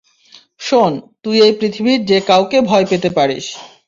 শোন, তুই এই পৃথিবীর যে কাউকে ভয় পেতে পারিস।